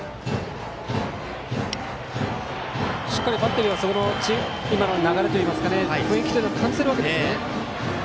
しっかりとバッテリーは今の流れといいますか雰囲気を感じているわけですね。